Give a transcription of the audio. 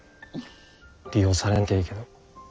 利用されなきゃいいけど。